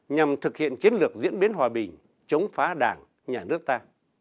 nhằm thực hiện chiến lược diễn biến hòa bình chống phá đảng nhà nước ta